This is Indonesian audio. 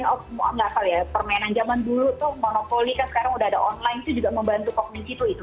some kind of gak tau ya permainan zaman dulu tuh monopoli kan sekarang udah ada online itu juga membantu kognisi tuh